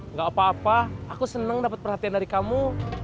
nggak apa apa aku senang dapat perhatian dari kamu